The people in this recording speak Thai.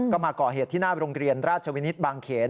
ก็มาก่อเหตุที่หน้าโรงเรียนราชวินิตบางเขน